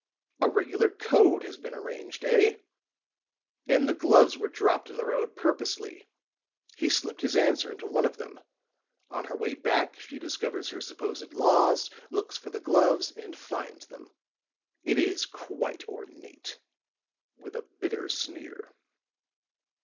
A regular code has been arranged, eh? And the gloves were dropped in the road purposely; he slipped his answer into one of them; on her way back she discovers her supposed loss, looks for the gloves, and finds them. It is quite ornate," with a bitter sneer.